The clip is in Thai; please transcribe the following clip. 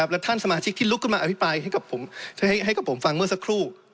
และท่านสมาชิกที่ลุกขึ้นมาอภิปรายให้กับผมฟังเมื่อสักครู่